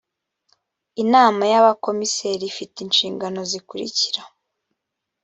inama y abakomiseri ifite inshingano zikurikira